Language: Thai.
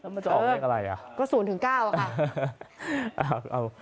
มันจะออกเวลากันอะไรอ่ะก็๐ถึง๙อ่ะค่ะ